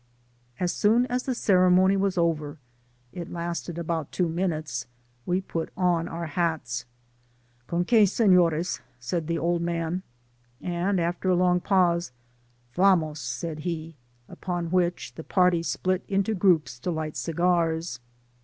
As soon as the ceremony was over, (it lasted about two minutes,) we put on our hats. " Con que, Seiidres,^ said the old man ; and aftejr a long pause, ^'V^mos!*^ sjud he, upon which the party split into groups to light segars.